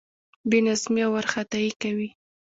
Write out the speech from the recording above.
بې نظمي او وارخطايي کوي.